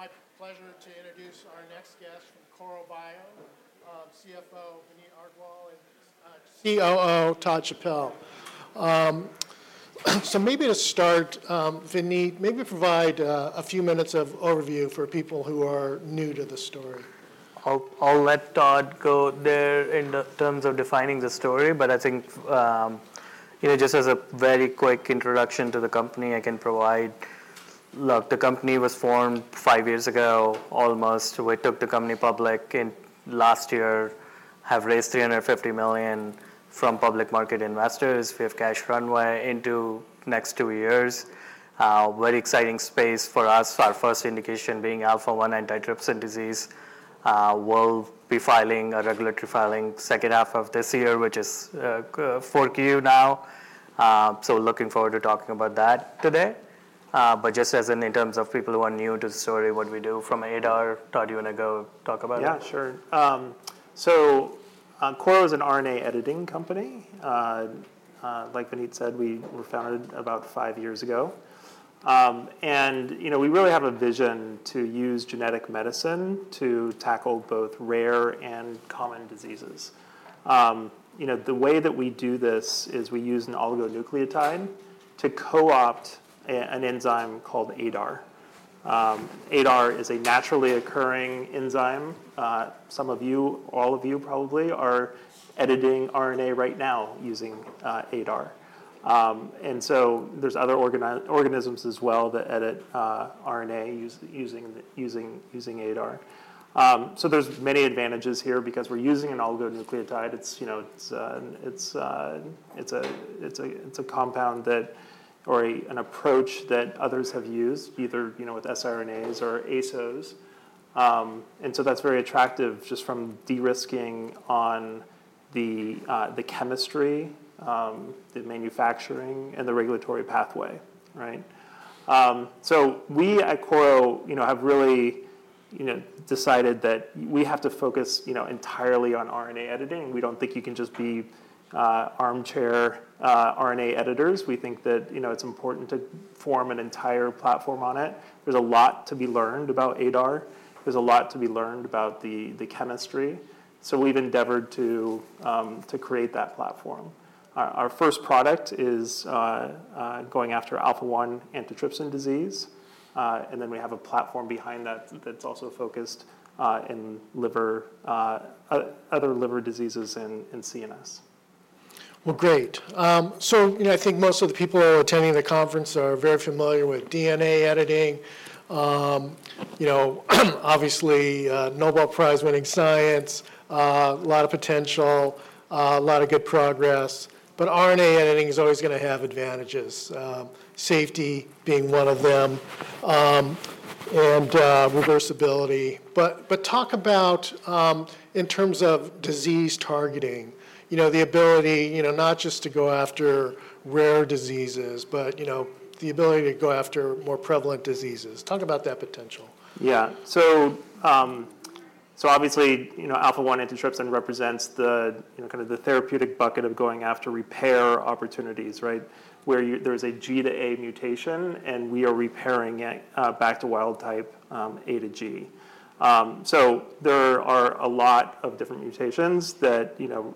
Right. It's my pleasure to introduce our next guest from Korro Bio, CFO Vineet Agarwal and COO Todd Chappell, so maybe to start, Vineet, maybe provide a few minutes of overview for people who are new to the story. I'll let Todd go there in the terms of defining the story, but I think, you know, just as a very quick introduction to the company, I can provide. Look, the company was formed five years ago, almost. We took the company public last year, have raised $350 million from public market investors. We have cash runway into next two years. Very exciting space for us, our first indication being alpha-1 antitrypsin disease. We'll be filing a regulatory filing second half of this year, which is Q4 now. So looking forward to talking about that today. But just as in terms of people who are new to the story, what we do from ADAR, Todd, you want to go talk about it? Yeah, sure. So, Korro is an RNA editing company. Like Vineet said, we were founded about five years ago. And, you know, we really have a vision to use genetic medicine to tackle both rare and common diseases. You know, the way that we do this is we use an oligonucleotide to co-opt an enzyme called ADAR. ADAR is a naturally occurring enzyme. Some of you, all of you probably, are editing RNA right now using ADAR. And so there's other organisms as well that edit RNA using ADAR. So there's many advantages here because we're using an oligonucleotide. It's, you know, it's a compound that or an approach that others have used, either, you know, with siRNAs or ASOs. And so that's very attractive just from de-risking on the chemistry, the manufacturing, and the regulatory pathway, right, so we at Korro, you know, have really, you know, decided that we have to focus, you know, entirely on RNA editing. We don't think you can just be armchair RNA editors. We think that, you know, it's important to form an entire platform on it. There's a lot to be learned about ADAR. There's a lot to be learned about the chemistry, so we've endeavored to create that platform. Our first product is going after alpha-1 antitrypsin disease, and then we have a platform behind that that's also focused in liver, other liver diseases and CNS. Great. So, you know, I think most of the people who are attending the conference are very familiar with DNA editing. You know, obviously, Nobel Prize-winning science, a lot of potential, a lot of good progress, but RNA editing is always gonna have advantages, safety being one of them, and reversibility. But talk about, in terms of disease targeting, you know, the ability, you know, not just to go after rare diseases, but, you know, the ability to go after more prevalent diseases. Talk about that potential. Yeah. So, so obviously, you know, alpha-1 antitrypsin represents the, you know, kind of the therapeutic bucket of going after repair opportunities, right? Where there's a G to A mutation, and we are repairing it, back to wild type, A to G. So there are a lot of different mutations that, you know,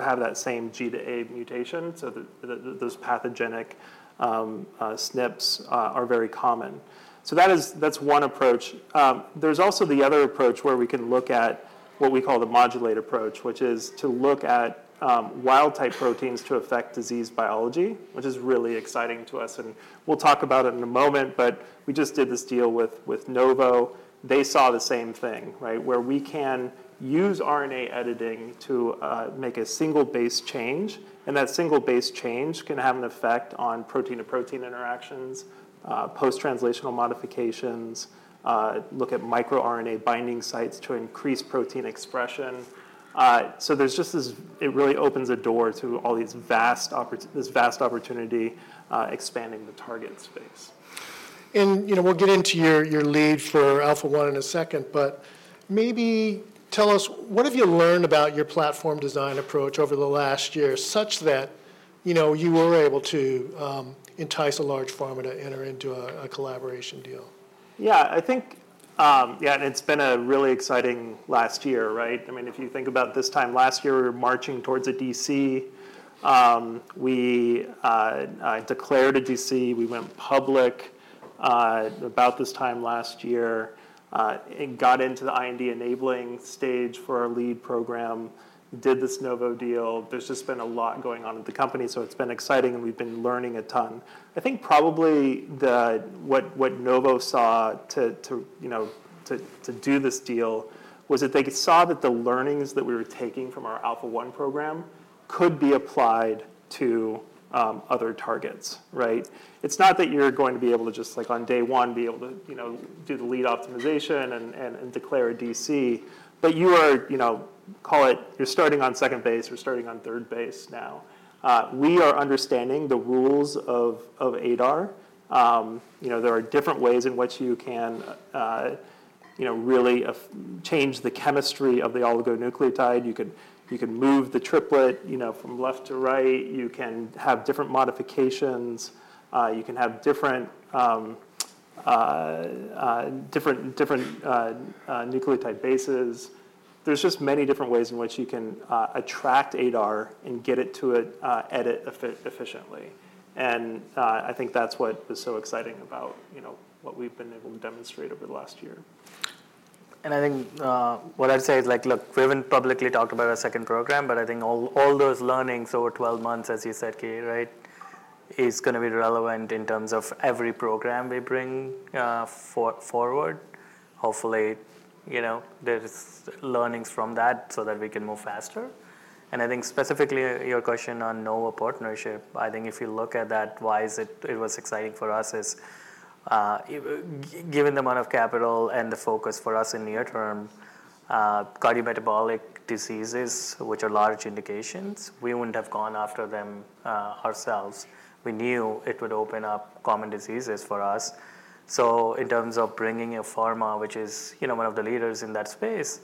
have that same G to A mutation, so those pathogenic, SNPs are very common. So that is- that's one approach. There's also the other approach, where we can look at what we call the modulate approach, which is to look at, wild-type proteins to affect disease biology, which is really exciting to us, and we'll talk about it in a moment, but we just did this deal with Novo. They saw the same thing, right? Where we can use RNA editing to make a single base change, and that single base change can have an effect on protein-to-protein interactions, post-translational modifications, look at microRNA binding sites to increase protein expression. So there's just this. It really opens a door to all these vast opportunities, expanding the target space. You know, we'll get into your lead for alpha-1 in a second, but maybe tell us what have you learned about your platform design approach over the last year, such that you know you were able to entice a large pharma to enter into a collaboration deal? Yeah, I think, Yeah, and it's been a really exciting last year, right? I mean, if you think about this time last year, we were marching towards a DC. We declared a DC. We went public, about this time last year, and got into the IND-enabling stage for our lead program, did this Novo deal. There's just been a lot going on with the company, so it's been exciting, and we've been learning a ton. I think probably what Novo saw to you know to do this deal was that they saw that the learnings that we were taking from our alpha-1 program could be applied to other targets, right? It's not that you're going to be able to just, like, on day one, be able to, you know, do the lead optimization and declare a DC, but you are, you know, call it you're starting on second base or starting on third base now. We are understanding the rules of ADAR. You know, there are different ways in which you can you know, really, change the chemistry of the oligonucleotide. You could move the triplet, you know, from left to right, you can have different modifications, you can have different nucleotide bases. There's just many different ways in which you can attract ADAR and get it to edit efficiently. I think that's what was so exciting about, you know, what we've been able to demonstrate over the last year. I think what I'd say is like, look, we haven't publicly talked about our second program, but I think all those learnings over 12 months, as you said, Kate, right, is gonna be relevant in terms of every program we bring forward. Hopefully, you know, there's learnings from that so that we can move faster. I think specifically, your question on Novo partnership, if you look at that, why it was exciting for us is, given the amount of capital and the focus for us in near term, cardiometabolic diseases, which are large indications, we wouldn't have gone after them ourselves. We knew it would open up common diseases for us. So in terms of bringing a pharma, which is, you know, one of the leaders in that space,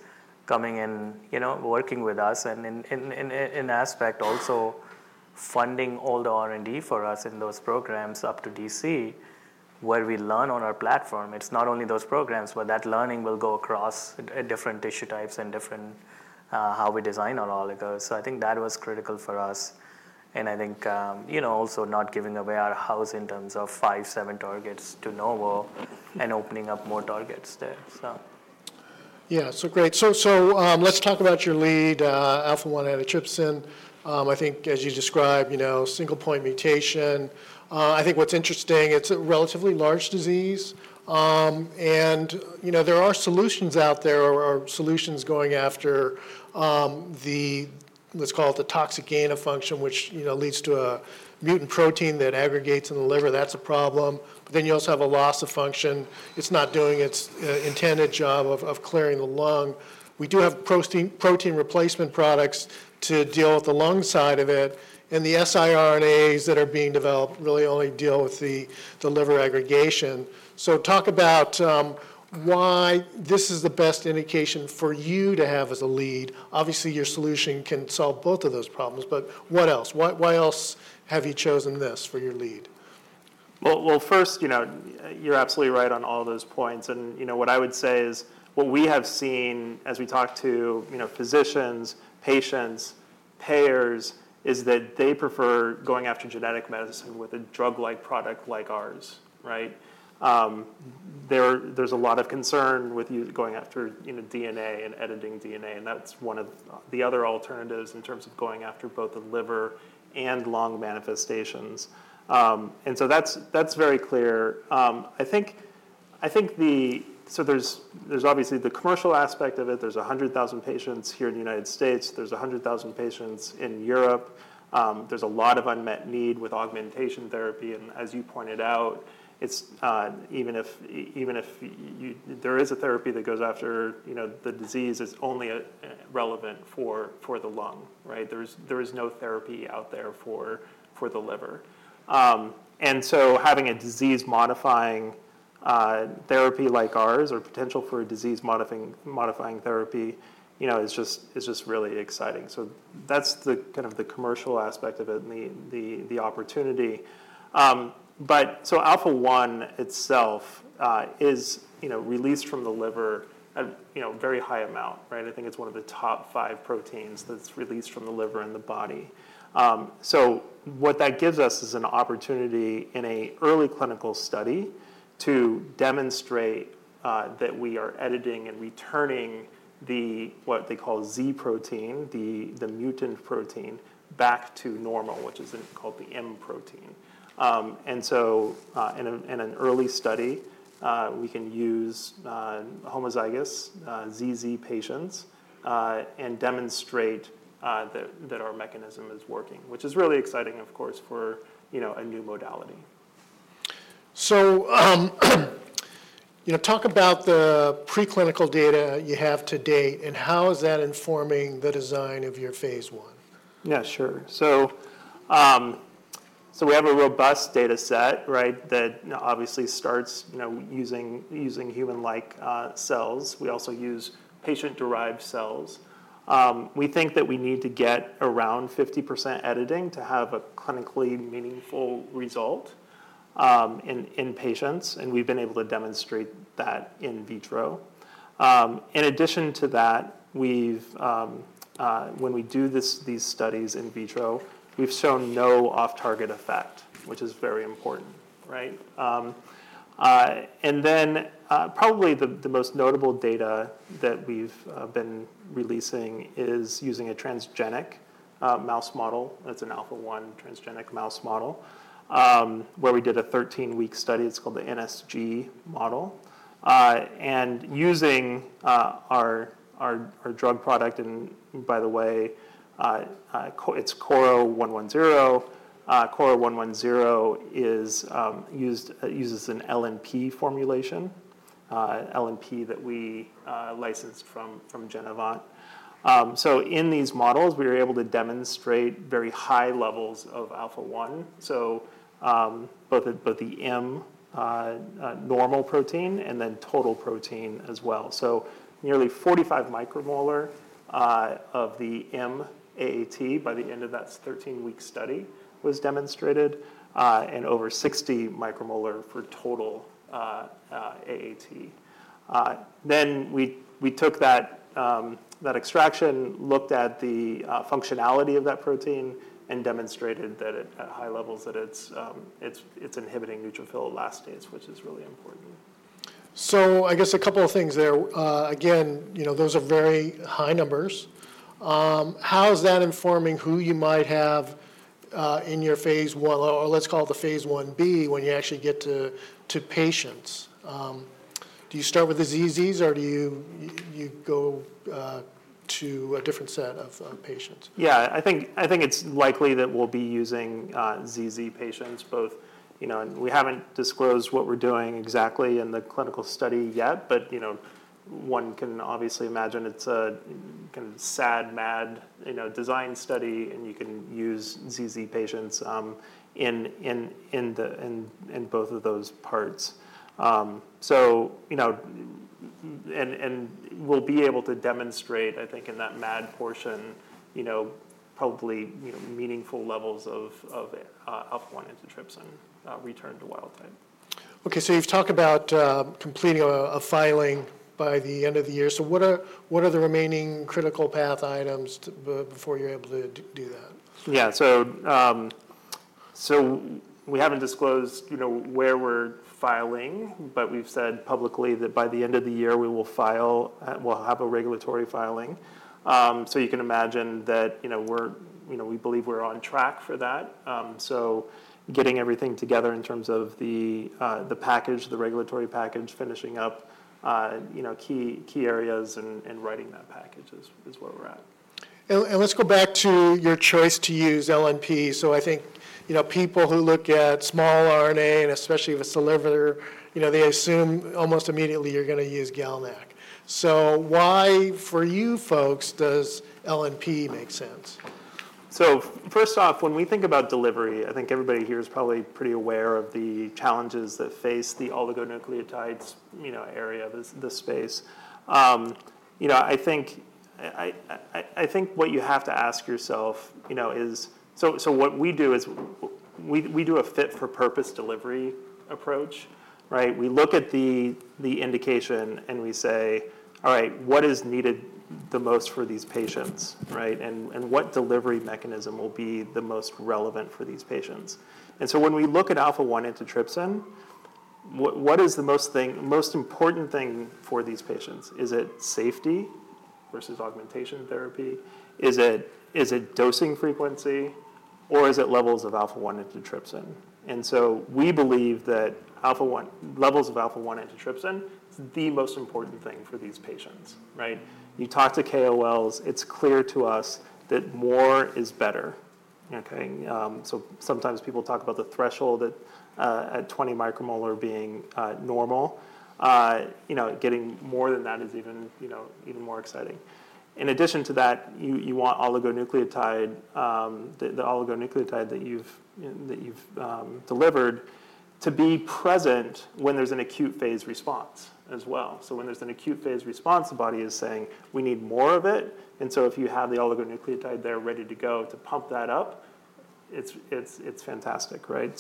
coming in, you know, working with us, and in respect also funding all the R&D for us in those programs up to DC, where we learn on our platform, it's not only those programs, but that learning will go across different tissue types and different, how we design our oligos. So I think that was critical for us. And I think, you know, also not giving away our house in terms of five, seven targets to Novo and opening up more targets there, so. Yeah, so great. So, so, let's talk about your lead, alpha-1 antitrypsin. I think as you described, you know, single point mutation, I think what's interesting, it's a relatively large disease. And, you know, there are solutions out there or solutions going after, the what's called the toxic gain-of-function, which, you know, leads to a mutant protein that aggregates in the liver. That's a problem. But then you also have a loss of function. It's not doing its intended job of clearing the lung. We do have protein replacement products to deal with the lung side of it, and the siRNAs that are being developed really only deal with the liver aggregation. So talk about why this is the best indication for you to have as a lead. Obviously, your solution can solve both of those problems, but what else? Why, why else have you chosen this for your lead? First, you know, you're absolutely right on all those points. And, you know, what I would say is, what we have seen as we talk to, you know, physicians, patients, payers, is that they prefer going after genetic medicine with a drug-like product like ours, right? There's a lot of concern with you going after, you know, DNA and editing DNA, and that's one of the other alternatives in terms of going after both the liver and lung manifestations. And so that's very clear. I think there's obviously the commercial aspect of it. There's 100,000 patients here in the United States, there's 100,000 patients in Europe, there's a lot of unmet need with augmentation therapy, and as you pointed out, it's even if there is a therapy that goes after, you know, the disease, it's only relevant for the lung, right? There is no therapy out there for the liver, and so having a disease-modifying therapy like ours or potential for a disease-modifying therapy, you know, is just, it's just really exciting. So that's the kind of the commercial aspect of it and the opportunity. But so alpha-1 itself is, you know, released from the liver at, you know, very high amount, right? I think it's one of the top five proteins that's released from the liver in the body. So what that gives us is an opportunity in an early clinical study to demonstrate that we are editing and returning the, what they call Z protein, the mutant protein, back to normal, which is called the M protein. And so, in an early study, we can use homozygous ZZ patients and demonstrate that our mechanism is working, which is really exciting, of course, for you know a new modality. You know, talk about the preclinical data you have to date, and how is that informing the design of your phase I? Yeah, sure. So we have a robust data set, right? That obviously starts, you know, using human-like cells. We also use patient-derived cells. We think that we need to get around 50% editing to have a clinically meaningful result in patients, and we've been able to demonstrate that in vitro. In addition to that, we've, when we do these studies in vitro, we've shown no off-target effect, which is very important, right? And then, probably the most notable data that we've been releasing is using a transgenic mouse model. That's an alpha-1 transgenic mouse model, where we did a 13-week study. It's called the NSG model. And using our drug product, and by the way, it's KRRO-110. KRRO-110 uses an LNP formulation, LNP that we licensed from Genevant. In these models, we were able to demonstrate very high levels of alpha-1. Both the M normal protein and then total protein as well. Nearly 45 micromolar of the M-AAT by the end of that 13-week study was demonstrated, and over 60 micromolar for total AAT. We took that extraction, looked at the functionality of that protein, and demonstrated that at high levels, it's inhibiting neutrophil elastase, which is really important. So I guess a couple of things there. Again, you know, those are very high numbers. How is that informing who you might have in your phase I, or let's call it the phase I-a, when you actually get to patients? Do you start with the ZZs, or do you go to a different set of patients? Yeah, I think it's likely that we'll be using ZZ patients both. You know, and we haven't disclosed what we're doing exactly in the clinical study yet, but, you know, one can obviously imagine it's a kind of SAD, MAD, you know, design study, and you can use ZZ patients in both of those parts. So, you know, and we'll be able to demonstrate, I think, in that MAD portion, you know, probably meaningful levels of alpha-1 antitrypsin return to wild type. Okay, so you've talked about completing a filing by the end of the year. So what are the remaining critical path items to before you're able to do that? Yeah. So, so we haven't disclosed, you know, where we're filing, but we've said publicly that by the end of the year, we will file, we'll have a regulatory filing. So you can imagine that, you know, we're, you know, we believe we're on track for that. So getting everything together in terms of the, the package, the regulatory package, finishing up, you know, key areas and writing that package is where we're at. Let's go back to your choice to use LNP. So I think, you know, people who look at small RNA, and especially with a deliverer, you know, they assume almost immediately you're gonna use GalNAc. So why, for you folks, does LNP make sense? So first off, when we think about delivery, I think everybody here is probably pretty aware of the challenges that face the oligonucleotides, you know, area of this space. You know, I think what you have to ask yourself, you know, is so what we do is we do a fit for purpose delivery approach, right? We look at the indication, and we say, "All right, what is needed the most for these patients?" Right? "And what delivery mechanism will be the most relevant for these patients?" And so when we look at alpha-1 antitrypsin, what is the most important thing for these patients? Is it safety versus augmentation therapy? Is it dosing frequency, or is it levels of alpha-1 antitrypsin? And so we believe that alpha-1 levels of alpha-1 antitrypsin is the most important thing for these patients, right? You talk to KOLs, it's clear to us that more is better. Okay? So sometimes people talk about the threshold at 20 micromolar being normal. You know, getting more than that is even, you know, even more exciting. In addition to that, you want oligonucleotide, the oligonucleotide that you've delivered to be present when there's an acute phase response as well. So when there's an acute phase response, the body is saying: We need more of it. And so if you have the oligonucleotide there ready to go to pump that up, it's fantastic, right?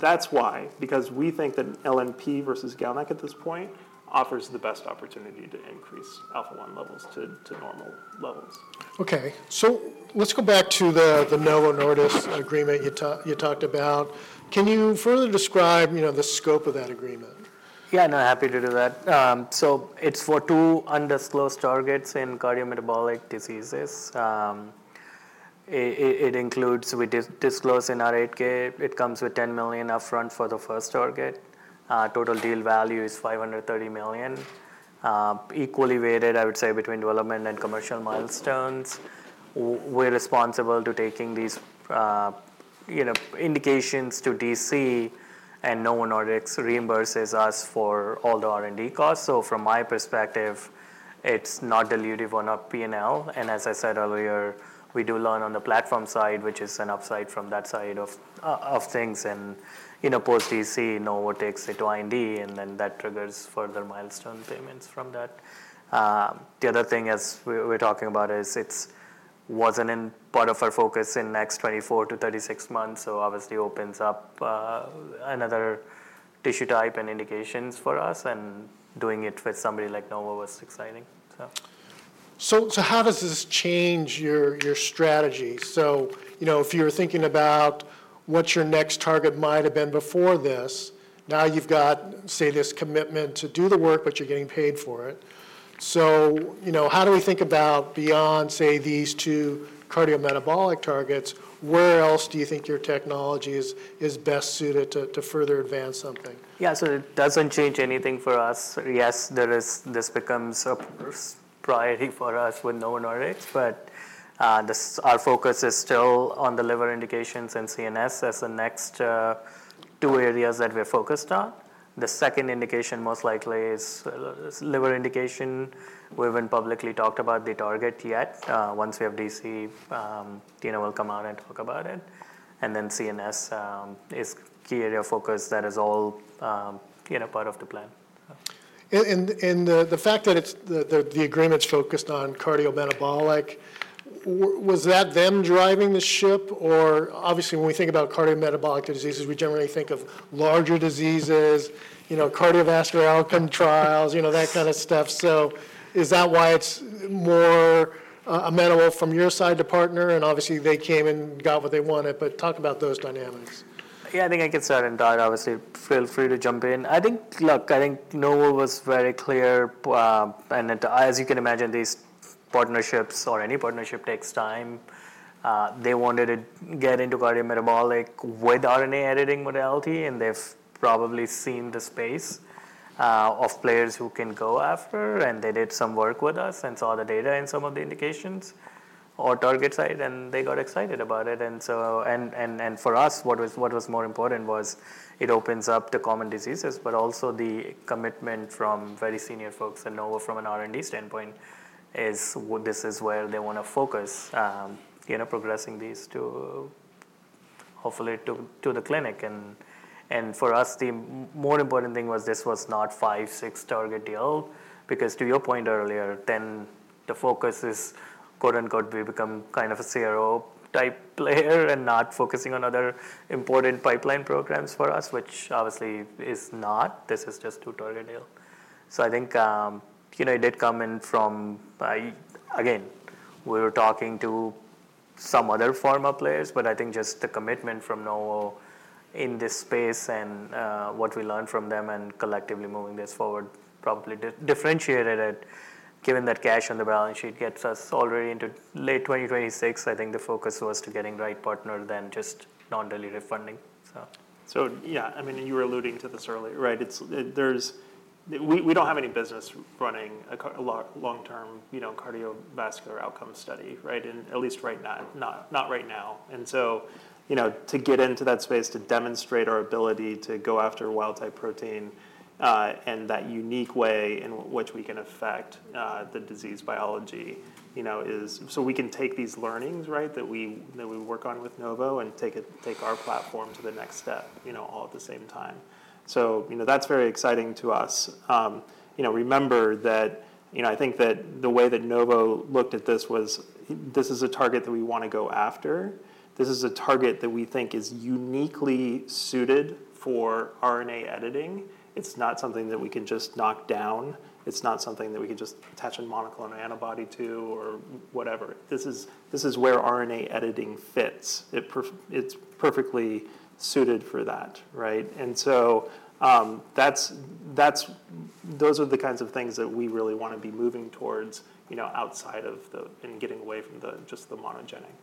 That's why, because we think that LNP versus GalNAc at this point offers the best opportunity to increase alpha-1 levels to normal levels. Okay, so let's go back to the Novo Nordisk agreement you talked about. Can you further describe, you know, the scope of that agreement? Yeah, no, happy to do that. So it's for two undisclosed targets in cardiometabolic diseases. It includes, we disclosed in our 8-K, it comes with $10 million upfront for the first target. Total deal value is $530 million, equally weighted, I would say, between development and commercial milestones. We're responsible to taking these, you know, indications to DC, and Novo Nordisk reimburses us for all the R&D costs. So from my perspective, it's not dilutive on our P&L, and as I said earlier, we do learn on the platform side, which is an upside from that side of things, and in a post DC, Novo takes it to IND, and then that triggers further milestone payments from that. The other thing, as we're talking about, is it wasn't in part of our focus in next 24-36 months, so obviously opens up another tissue type and indications for us, and doing it with somebody like Novo was exciting. So... So, how does this change your strategy? So, you know, if you're thinking about what your next target might have been before this, now you've got, say, this commitment to do the work, but you're getting paid for it. So, you know, how do we think about beyond, say, these two cardiometabolic targets, where else do you think your technology is best suited to further advance something? Yeah, so it doesn't change anything for us. Yes, there is, this becomes a priority for us with Novo Nordisk, but, this, our focus is still on the liver indications and CNS as the next, two areas that we're focused on. The second indication most likely is liver indication. We haven't publicly talked about the target yet. Once we have DC, you know, we'll come out and talk about it, and then CNS is key area of focus that is all, you know, part of the plan. The fact that it's the agreement's focused on cardiometabolic. Was that them driving the ship? Or obviously, when we think about cardiometabolic diseases, we generally think of larger diseases, you know, cardiovascular outcome trials, you know, that kind of stuff. So is that why it's more amenable from your side to partner, and obviously, they came and got what they wanted, but talk about those dynamics. Yeah, I think I can start, and Todd, obviously, feel free to jump in. I think, look, I think Novo was very clear, and that as you can imagine, these partnerships or any partnership takes time. They wanted to get into cardiometabolic with RNA editing modality, and they've probably seen the space of players who can go after, and they did some work with us and saw the data in some of the indications or target site, and they got excited about it. And so for us, what was more important was it opens up the common diseases, but also the commitment from very senior folks at Novo from an R&D standpoint is this is where they wanna focus, you know, progressing these to, hopefully to the clinic. For us, the more important thing was this was not five, six target deal, because to your point earlier, then the focus is, quote, unquote, "We become kind of a CRO-type player" and not focusing on other important pipeline programs for us, which obviously is not. This is just two target deal. So I think, you know, it did come in from again, we were talking to some other pharma players, but I think just the commitment from Novo in this space and what we learned from them and collectively moving this forward, probably differentiated it. Given that cash on the balance sheet gets us already into late 2026, I think the focus was to getting right partner than just non-dilutive funding, so. So yeah, I mean, you were alluding to this earlier, right? It's, there's, we don't have any business running a long, long-term, you know, cardiovascular outcome study, right, and at least right now, not right now, and so, you know, to get into that space, to demonstrate our ability to go after a wild-type protein, and that unique way in which we can affect the disease biology, you know, is, so we can take these learnings, right, that we work on with Novo and take our platform to the next step, you know, all at the same time, so, you know, that's very exciting to us, you know, remember that, you know, I think that the way that Novo looked at this was, "This is a target that we wanna go after. This is a target that we think is uniquely suited for RNA editing. It's not something that we can just knock down. It's not something that we can just attach a monoclonal antibody to or whatever. This is, this is where RNA editing fits. It's perfectly suited for that," right? And so, that's those are the kinds of things that we really wanna be moving towards, you know, outside of the, and getting away from the, just the monogenic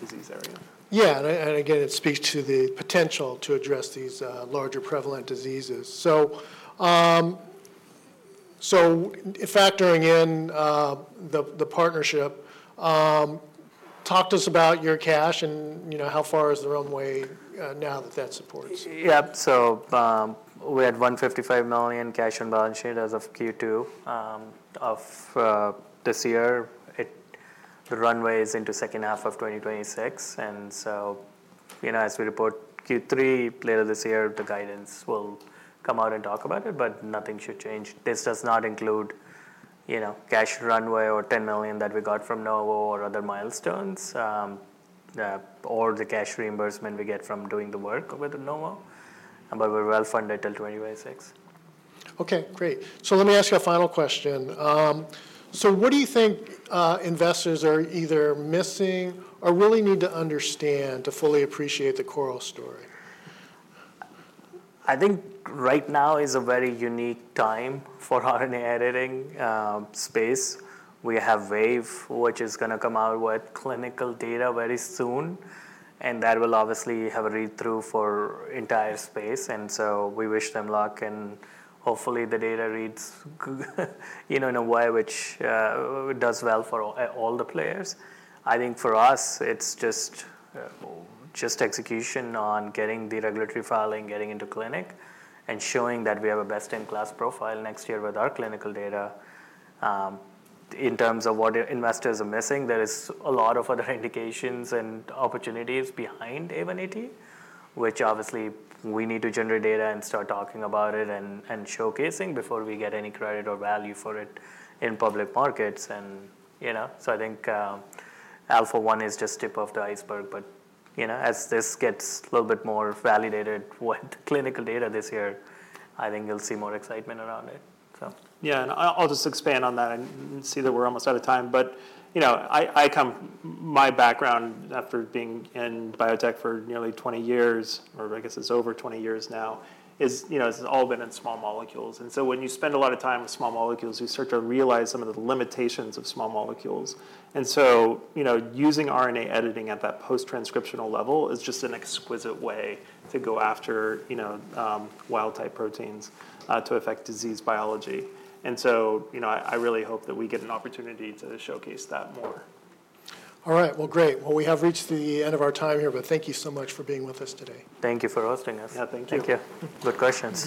disease area. Yeah, and again, it speaks to the potential to address these larger prevalent diseases. So factoring in the partnership, talk to us about your cash, and you know, how far is the runway now that that supports? Yeah. So, we had $155 million cash and balance sheet as of Q2 of this year. The runway is into second half of 2026, and so, you know, as we report Q3 later this year, the guidance will come out and talk about it, but nothing should change. This does not include, you know, cash runway or $10 million that we got from Novo or other milestones, or the cash reimbursement we get from doing the work with Novo, but we're well-funded till 2026. Okay, great. So let me ask you a final question. So what do you think, investors are either missing or really need to understand to fully appreciate the Korro story? I think right now is a very unique time for RNA editing space. We have Wave, which is gonna come out with clinical data very soon, and that will obviously have a read-through for entire space, and so we wish them luck, and hopefully, the data reads you know, in a way which, does well for all the players. I think for us, it's just, just execution on getting the regulatory filing, getting into clinic, and showing that we have a best-in-class profile next year with our clinical data. In terms of what investors are missing, there is a lot of other indications and opportunities behind AAT, which obviously, we need to generate data and start talking about it and, and showcasing before we get any credit or value for it in public markets, and you know. I think alpha-1 is just the tip of the iceberg, but you know, as this gets a little bit more validated with clinical data this year, I think you'll see more excitement around it. Yeah, and I'll just expand on that and see that we're almost out of time. But, you know, I come... My background after being in biotech for nearly 20 years, or I guess it's over 20 years now, is, you know, it's all been in small molecules. And so, you know, using RNA editing at that post-transcriptional level is just an exquisite way to go after, you know, wild-type proteins, to affect disease biology. And so, you know, I really hope that we get an opportunity to showcase that more. All right. Well, great. Well, we have reached the end of our time here, but thank you so much for being with us today. Thank you for hosting us. Yeah, thank you. Thank you. Good questions.